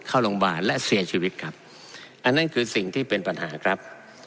เข้าโรงพยาบาลและเสียชีวิตครับอันนั้นคือสิ่งที่เป็นปัญหาครับ